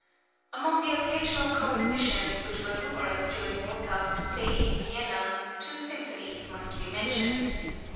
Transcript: Among the occasional compositions, which were numerous during Mozart's stay in Vienna, two symphonies must be mentioned.